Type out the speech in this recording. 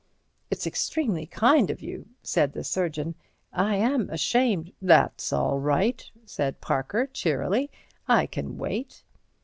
"It's extremely kind of you," said the surgeon. "I am ashamed—" "That's all right," said Parker, cheerily. "I can wait."